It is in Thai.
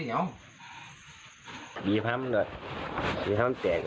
อ้าวอย่าทำมันอย่าทำมัน